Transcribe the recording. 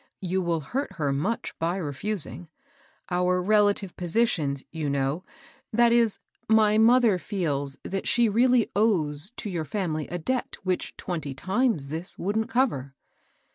You will hurt her much by reftising. Our relative positions, you know, — that is, my mother feels that she really awes to your family a debt which twenty times this wouldn't cover."